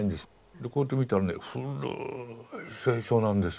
でこうやって見たらね古い聖書なんです。